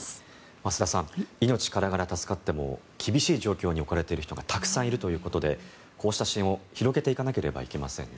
増田さん命からがら助かっても厳しい状況に置かれている人がたくさんいるということでこうした支援を広げていかなければいけませんね。